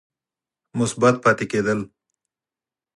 مثبت پاتې کېد ل